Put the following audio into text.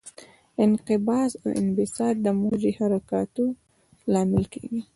انقباض او انبساط د موجي حرکاتو لامل کېږي.